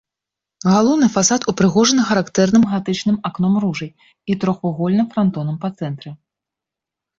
Галоўны фасад упрыгожаны характэрным гатычным акном-ружай і трохвугольным франтонам па цэнтры.